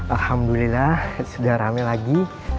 alhamdulillah sudah rame lagi